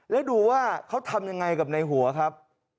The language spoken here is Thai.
แล้วดูว่าเขาทำยังไงกับในหัวครับ